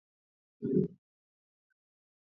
Muka oteshe tu ma bintu tuloko mu wakati ya nvula.